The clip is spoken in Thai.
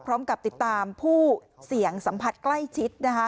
พร้อมกับติดตามผู้เสี่ยงสัมผัสใกล้ชิดนะคะ